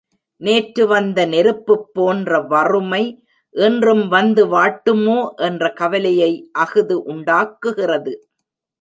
நேற்று வந்த நெருப்புப் போன்ற வறுமை இன்றும் வந்து வாட்டுமோ என்ற கவலையை அஃது உண்டாக்குகிறது.